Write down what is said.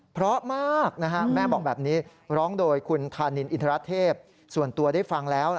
เพราะมากแม่บอกแบบนี้ร้องโดยคุณธานินอินทรเทพส่วนตัวได้ฟังแล้ว